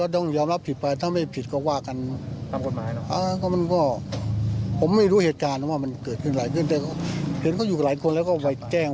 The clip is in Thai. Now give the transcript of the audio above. ตอนนี้ลูกชายของป๊าไม่อยู่ค่ะอยากให้เขามาชี้แจง